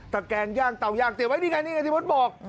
ตะแกนย่างเตาย่างเตรียมไว้นี่ไงที่มั่นบอก